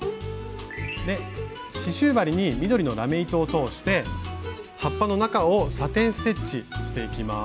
刺しゅう針に緑のラメ糸を通して葉っぱの中をサテン・ステッチしていきます。